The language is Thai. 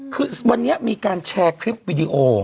คือวันนี้มีการแชร์คลิปวิดีโอ